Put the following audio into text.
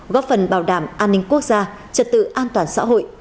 góp phần bảo đảm an ninh quốc gia trật tự an toàn xã hội